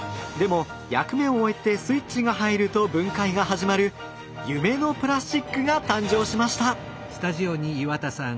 でも役目を終えてスイッチが入ると分解が始まる夢のプラスチックが誕生しました！